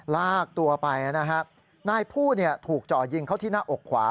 ลากตัวไปนะฮะนายผู้ถูกเจาะยิงเขาที่หน้าอกขวา